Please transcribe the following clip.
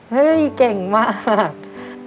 เฮ้ยเก่งมาก